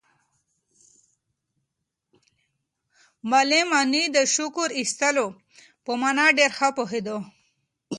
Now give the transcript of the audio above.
معلم غني د شکر ایستلو په مانا ډېر ښه پوهېده.